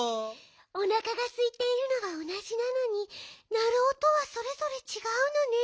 おなかがすいているのはおなじなのになるおとはそれぞれちがうのね。